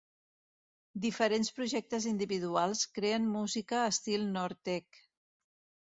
Diferents projectes individuals creen música estil nortech.